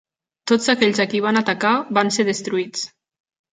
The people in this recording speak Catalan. Tots aquells a qui van atacar, van ser destruïts.